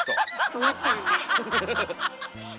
思っちゃうんだ。